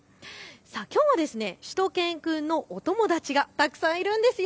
きょうはしゅと犬くんのお友達がたくさんいるんですよ。